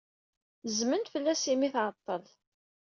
Zzmen fell-as imi ay tɛeḍḍel.